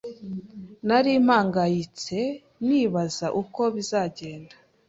nari mpangayitse nibaza uko bizagenda